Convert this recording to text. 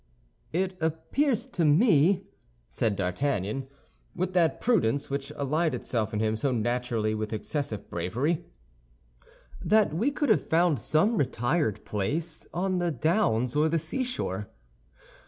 "It appears to me," said D'Artagnan, with that prudence which allied itself in him so naturally with excessive bravery, "that we could have found some retired place on the downs or the seashore."